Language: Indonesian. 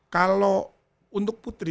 kalau untuk putri